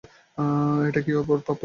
এটা কি ওর প্রাপ্য ছিল?